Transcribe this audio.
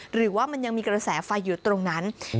หรือว่ามันยังมีกระแสไฟอยู่ตรงนั้น